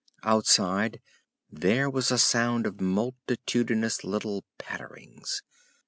Outside there was a sound of multitudinous little patterings.